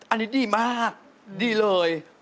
อันนี้ดีมากดีเลย